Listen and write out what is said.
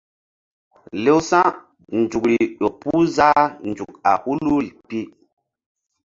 Lewsa̧ nzukri ƴo puh zah nzuk a huluri pi.